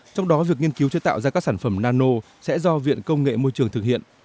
trong đó việc nghiên cứu chế tạo ra các sản phẩm nano sẽ do viện công nghệ môi trường thực hiện